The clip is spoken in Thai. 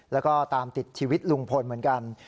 แล้วก็ตามติดชีวิตลุงพลเหมือนกัน